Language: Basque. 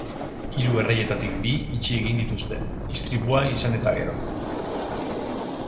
Hiru erreietatik bi itxi egin dituzte, istripua izan eta gero.